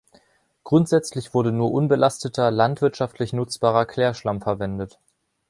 Grundsätzlich wurde nur unbelasteter, landwirtschaftlich nutzbarer Klärschlamm verwendet.